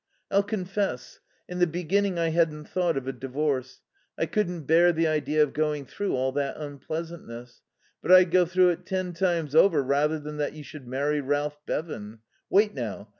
"I'll confess. In the beginning I hadn't thought of a divorce. I couldn't bear the idea of going through all that unpleasantness. But I'd go through it ten times over rather than that you should marry Ralph Bevan.... Wait now....